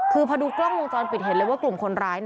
คือพอดูกล้องวงจรปิดเห็นเลยว่ากลุ่มคนร้าย